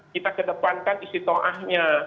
kita kedepankan istiqa'ahnya